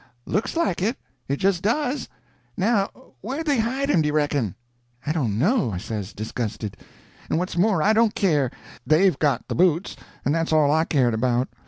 "Looks like it. It just does. Now where'd they hide him, do you reckon?" "I don't know," I says, disgusted, "and what's more I don't care. They've got the boots, and that's all I cared about.